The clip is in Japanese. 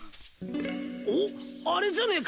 おっあれじゃねえか？